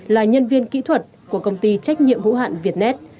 là nhân viên kỹ thuật của công ty trách nhiệm hữu hạn việtnet